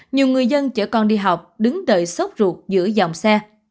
nhiều người dân chở con đi học đứng đợi sốc ruột giữa dòng xe